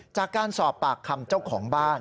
จากการสอบปากคำเจ้าของบ้าน